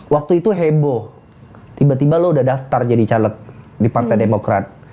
waktu itu heboh tiba tiba lo udah daftar jadi caleg di partai demokrat